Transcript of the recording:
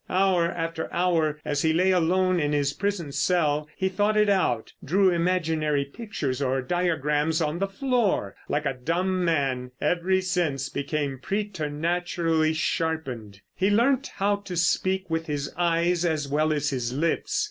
Hour after hour as he lay alone in his prison cell he thought it out, drew imaginary pictures or diagrams on the floor. Like a dumb man every sense became preternaturally sharpened. He learnt how to speak with his eyes as well as his lips.